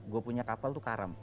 gue punya kapal tuh karam